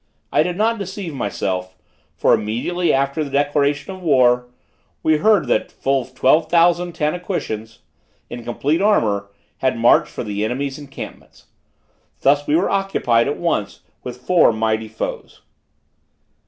I did not deceive myself; for immediately after the declaration of war, we heard that full twelve thousand Tanaquitians in complete armor, had marched for the enemy's encampment. Thus were we occupied at once with four mighty foes.